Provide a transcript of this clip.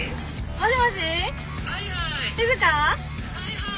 もしもし。